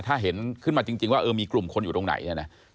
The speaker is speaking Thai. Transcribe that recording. ถ้าเห็นขึ้นมาจริงว่ามีกลุ่มคนอยู่ตรงไหน